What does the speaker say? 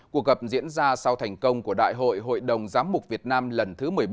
cuộc gặp diễn ra sau thành công của đại hội hội đồng giám mục việt nam lần thứ một mươi bốn